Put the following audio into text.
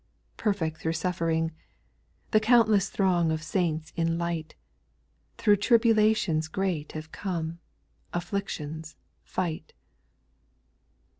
) 5. ■' Perfect through suffering I The countless throng Of saints in light, Through tribulations great have come, Afflictions, fight.